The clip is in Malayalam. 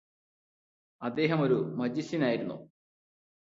അദ്ദേഹം ഒരു മജീഷ്യനായിരുന്നോ